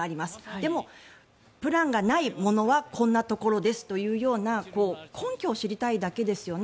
でも、プランがないものはこんなところですというような根拠を知りたいだけですよね。